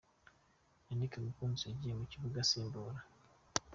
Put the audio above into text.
Yannick Mukunzi yagiye mu kibuga asimbura .